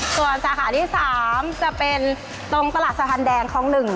ส่วนสาขาที่๓จะเป็นตรงตลาดสะพานแดงคลอง๑